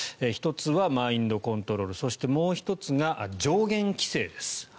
１つはマインドコントロールそしてもう１つが上限規制です。